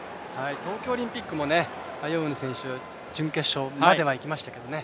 東京オリンピックもアヨウニ選手、準決勝までは行きましたけどね。